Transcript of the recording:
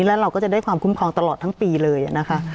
แล้วเราก็จะได้ความคุ้มครองตลอดทั้งปีเลยนะคะ